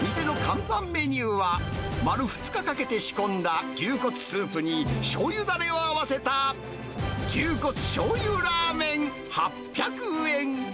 店の看板メニューは、丸２日かけて仕込んだ牛骨スープに、しょうゆだれを合わせた、牛骨しょうゆらーめん８００円。